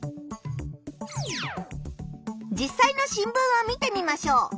実さいの新聞を見てみましょう。